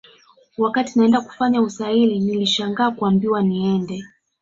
Wakati naenda kufanya usaili nilishangaa kuambiwa niende